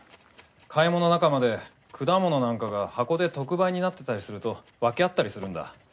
買い物仲間で果物なんかが箱で特売になってたりすると分けあったりするんだ。